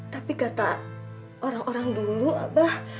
tapi kata orang orang dulu abah